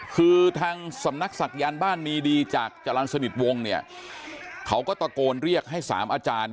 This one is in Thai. คือทางสำนักศักยานบ้านมีดีจากจรรย์สนิทวงเนี่ยเขาก็ตะโกนเรียกให้สามอาจารย์